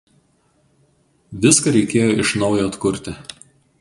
Viską reikėjo iš naujo atkurti.